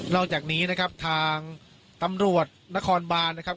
อกจากนี้นะครับทางตำรวจนครบานนะครับ